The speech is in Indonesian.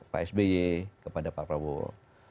pak sby kepada pak prabowo